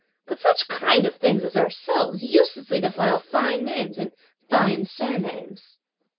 But such kind of things as ourselves uselessly defile fine names and fine surnames."